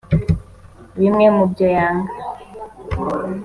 Bimwe mu byo yanga